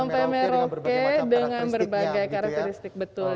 sampai merauke dengan berbagai karakteristik betul